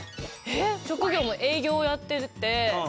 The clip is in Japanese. えっ職業も営業をやっていて。